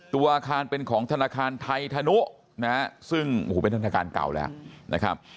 ตัวอาคารเป็นของธนาคารไทยธนุนะฮะซึ่งโอ้โหเป็นธนาคารเก่าแล้วนะครับ